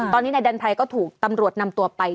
ตอนนี้นายดันไพรก็ถูกตำรวจนำตัวไป